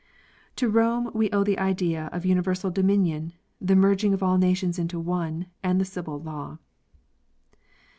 To Rome we owe the idea of universal dominion, the merging of all nations into one, and the civil law.